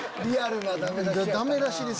リアルなダメ出し。